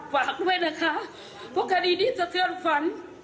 ฝากด้วยนะคะเพราะคดีนี้สะเทือนฝัน